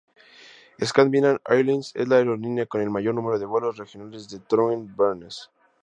Scandinavian Airlines es la aerolínea con el mayor número de vuelos regionales a Trondheim-Værnes.